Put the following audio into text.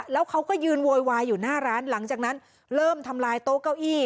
แล้วเขาก็ยืนโวยวายอยู่หน้าร้านหลังจากนั้นเริ่มทำลายโต๊ะเก้าอี้